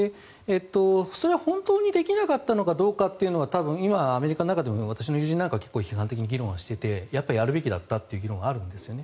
それは本当にできなかったのかどうかというのは多分今、アメリカの中でも私の友人の中でも批判的に議論をしていてやるべきだったという議論はあるんですね。